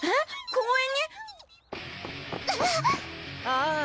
公園に⁉あぁ